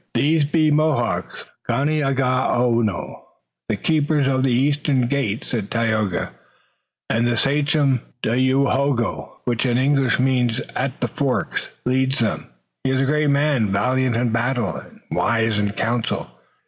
"These be Mohawks, Ganeagaono, the Keepers of the Eastern Gate," said Tayoga, "and the sachem Dayohogo, which in English means, At the Forks, leads them. He is a great man, valiant in battle and wise in council.